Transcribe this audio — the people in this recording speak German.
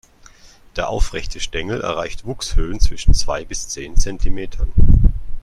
Der aufrechte Stängel erreicht Wuchshöhen zwischen zwei bis zehn Zentimetern.